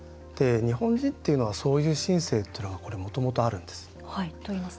日本人っていうのはそういう真性っていうのがもともとあるんです。